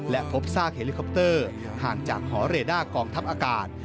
และพบซากเฮลิคอปเตอร์ห่างจากหอเรด้ากองทัพอากาศ